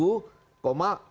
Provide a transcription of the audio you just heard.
nggak itu sudah selesai